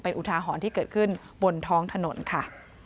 อุทาหรณ์ที่เกิดขึ้นบนท้องถนนค่ะ